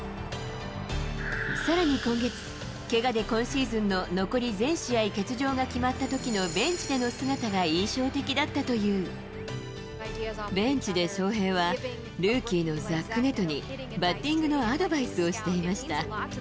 さらに今月、けがで今シーズンの残り全試合欠場が決まったときのベンチでの姿ベンチで翔平はルーキーのザック・ネトに、バッティングのアドバイスをしていました。